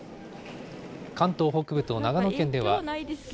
関東北部と長野県では。